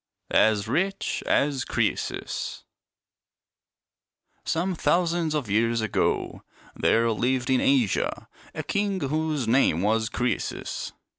■ "AS RICH AS CRCESUS" Some thousands of years ago there lived in Asia .a king whose name was Croesus.